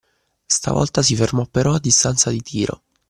Stavolta si fermò però a distanza di tiro